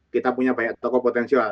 kita punya banyak tokoh potensial